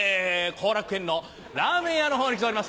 後楽園のラーメン屋の方に来ております。